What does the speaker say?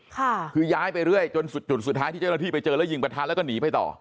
ค่ะคือย้ายไปเรื่อยจนสุดจุดสุดท้ายที่เจ้าหน้าที่ไปเจอแล้วยิงประทัดแล้วก็หนีไปต่อ